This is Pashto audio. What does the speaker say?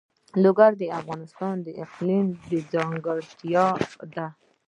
لوگر د افغانستان د اقلیم ځانګړتیا ده.